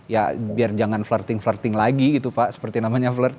ya biar jangan flirting flirting lagi gitu pak seperti namanya flirt